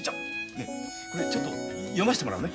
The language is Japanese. ねえこれちょっと読ませてもらうね。